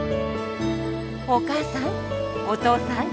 お母さんお父さん。